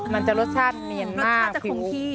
มันจะรสชาติเนียนรสชาติจะคงที่